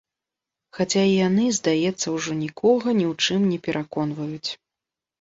Хаця і яны, здаецца, ужо нікога ні ў чым не пераконваюць.